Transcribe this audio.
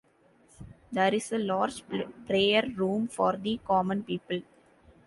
There is a large prayer room for the common people.